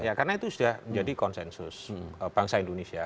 ya karena itu sudah menjadi konsensus bangsa indonesia